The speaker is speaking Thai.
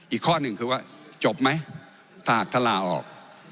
อีกข้อหนึ่งคือว่าจบไหมถ้าหากท่านลาออก